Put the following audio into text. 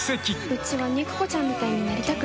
うちは肉子ちゃんみたいになりたくない。